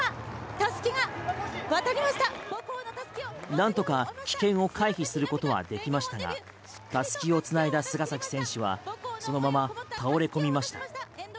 なんとか棄権を回避することはできましたがたすきを繋いだ菅崎選手はそのまま倒れこみました。